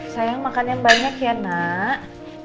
sayang makan yang banyak ya nak